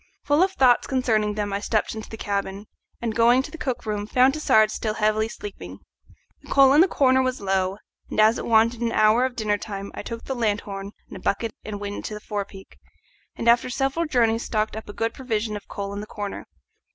Full of thoughts concerning them I stepped into the cabin, and, going to the cook room, found Tassard still heavily sleeping. The coal in the corner was low, and as it wanted an hour of dinner time I took the lanthorn and a bucket and went into the forepeak, and after several journeys stocked up a good provision of coal in the corner.